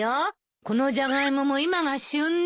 このジャガイモも今が旬ね。